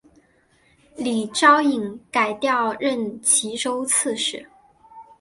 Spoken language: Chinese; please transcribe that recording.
李朝隐改调任岐州刺史。